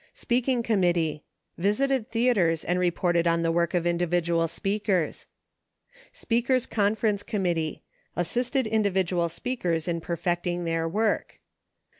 Speaking Committee. Visited theatres and reported on the work of individual speakers. Speakers Conference Committee. Assisted individual speakers in perfecting their work.